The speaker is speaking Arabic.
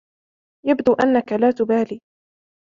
يبدو أنك لا تبالي